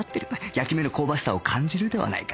焼き目の香ばしさを感じるではないか